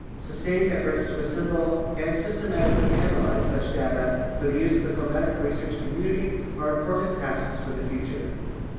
Sustained efforts to assemble and systematically analyze such data for the use of the climatic research community are important tasks for the future.